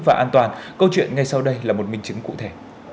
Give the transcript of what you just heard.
và an toàn câu chuyện ngay sau đây là một minh chứng cụ thể